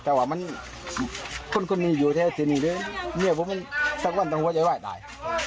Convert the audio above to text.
แต่ว่ามันคนมีอยู่แท้สิงหรือสักวันเขาต้องหัวใจว่ายตาย